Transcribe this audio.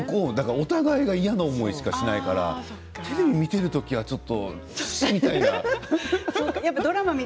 お互いが嫌な思いしかしないからテレビ見てる時はシーみたいな。